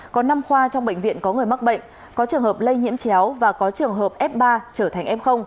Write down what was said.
có năm khoa trong bệnh viện có người mắc bệnh có trường hợp lây nhiễm chéo và có trường hợp f ba trở thành f